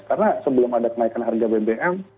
karena sebelum ada kenaikan harga bbm